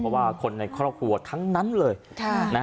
เพราะว่าคนในครอบครัวทั้งนั้นเลย